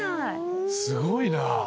すごいなぁ。